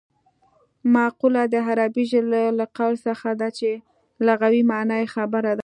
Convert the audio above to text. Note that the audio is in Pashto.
مقوله د عربي ژبې له قول څخه ده چې لغوي مانا یې خبره ده